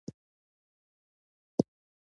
د زلزلې په جریان کې څنګه ځان جوړ وساتو؟